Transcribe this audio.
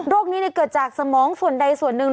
โรคนี้เนี่ยเกิดจากสมองส่วนใดส่วนหนึ่ง